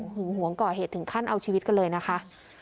หึงหวงก่อเหตุถึงขั้นเอาชีวิตกันเลยนะคะ